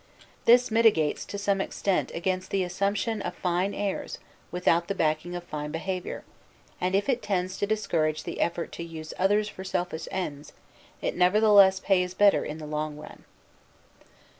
This militates to some extent against the assumption of fine airs without the backing of fine behavior, and if it tends to discourage the effort to use others for selfish ends, it nevertheless pays better in the long run.